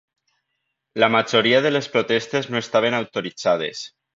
La majoria de les protestes no estaven autoritzades.